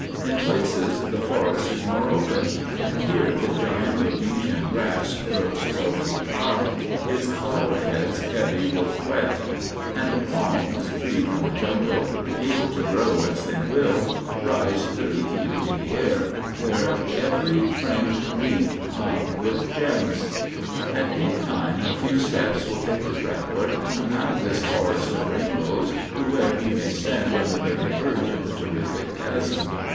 In places the forest is more open, and here the giant Rhodesian grass grows, twelve feet high, its flower heads heavy with wet; and palms, free from the jungle and able to grow as they will, rise thirty feet into the air, their every fringed leaf hung with gems. At any time a few steps will take the traveler from out this Forest of Rainbows, to where he may stand on the very verge of the terrific Chasm.